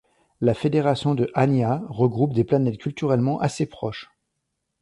La Fédération de Hania regroupe des planètes culturellement assez proches.